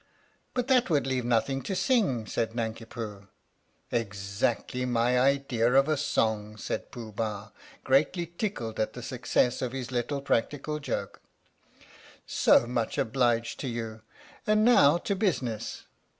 " But that would leave nothing to sing," said Nanki Poo. "Exactly my idea of a song!" said Pooh Bah, greatly tickled at the success of his little practical joke. "So much obliged to you. And now to business.